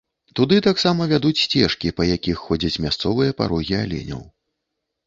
Туды таксама вядуць сцежкі, па якіх ходзяць мясцовыя па рогі аленяў.